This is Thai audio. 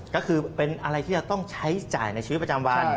ก็คือเป็นอะไรที่จะต้องใช้จ่ายในชีวิตประจำวัน